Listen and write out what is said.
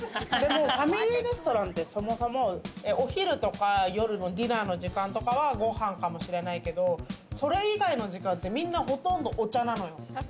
でも、ファミリーレストランって、そもそもお昼とか夜のディナーの時間とかはご飯かもしれないけれど、それ以外の時間って、みんなほとんどお茶なのよ。